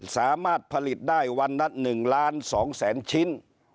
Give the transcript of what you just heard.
สามารถผลิตได้วันนั้น๑๒๒๐๐๐ชิ้น